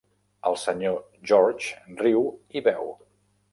El senyor George riu i beu.